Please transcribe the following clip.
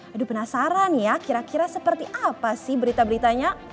aduh penasaran ya kira kira seperti apa sih berita beritanya